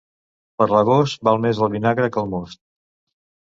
Per l'agost val més el vinagre que el most.